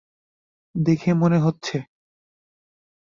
দেখে মনে হচ্ছে।